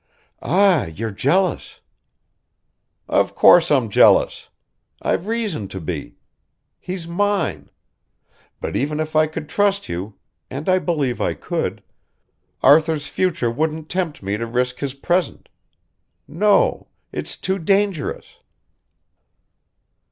"Ah, you're jealous!" "Of course I'm jealous. I've reason to be. He's mine. But even if I could trust you ... and I believe I could ... Arthur's future wouldn't tempt me to risk his present. No ... it's too dangerous."